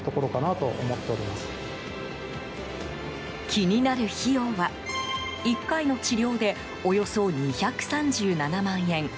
気になる費用は１回の治療でおよそ２３７万円。